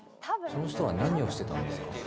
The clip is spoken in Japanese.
「その人は何をしてたんですか？